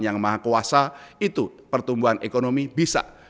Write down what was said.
yang maha kuasa itu pertumbuhan ekonomi bisa